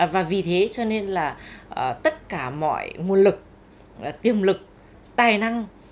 và vì thế cho nên là tất cả mọi nguồn lực tiềm lực tài năng